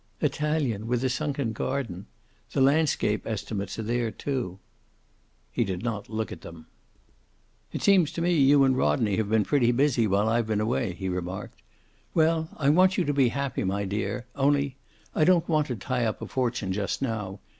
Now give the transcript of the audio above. "Italian, with a sunken garden. The landscape estimates are there, too." He did not look at them. "It seems to me you and Rodney have been pretty busy while I've been away," he remarked. "Well, I want you to be happy, my dear. Only I don't want to tie up a fortune just now.